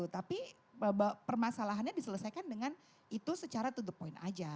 tapi permasalahannya diselesaikan dengan itu secara to the point aja